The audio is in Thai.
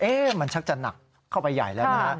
เอ๊ะมันชักจะหนักเข้าไปใหญ่แล้วนะครับ